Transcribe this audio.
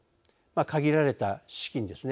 限られた資金ですね。